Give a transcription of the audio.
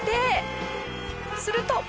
すると。